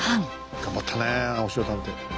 頑張ったねえ押尾探偵。